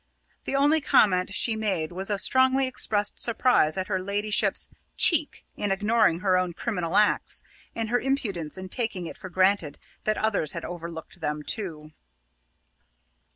The only comment she made was of strongly expressed surprise at her ladyship's "cheek" in ignoring her own criminal acts, and her impudence in taking it for granted that others had overlooked them also.